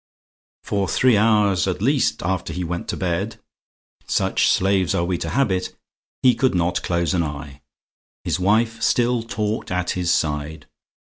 For three hours at least after he went to bed such slaves are we to habit he could not close an eye. His wife still talked at his side.